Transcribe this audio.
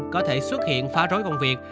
có thể xuất hiện phá rối công việc